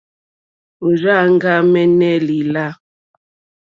Ò rzáā áŋɡàmɛ̀nɛ̀ lìlâ.